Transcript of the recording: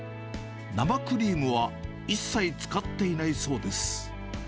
生クリームは一切使っていないそうです。